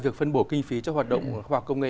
việc phân bổ kinh phí cho hoạt động khoa học công nghệ